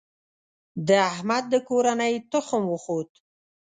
د احمد د کورنۍ تخم وخوت.